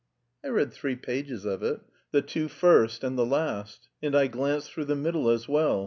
"I read three pages of it. The two first and the last. And I glanced through the middle as well.